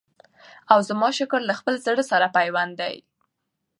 او زما شکر له خپل زړه سره پیوند دی